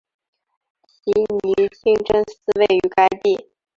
奇尼清真寺位于该地。